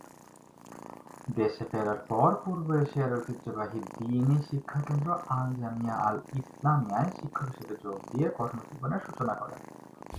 দেশে ফেরার পর পূর্ব এশিয়ার ঐতিহ্যবাহী দ্বীনি শিক্ষাকেন্দ্র আল-জামিয়া আল ইসলামিয়ায় শিক্ষক হিসেবে যোগ দিয়ে কর্মজীবনের সূচনা করেন।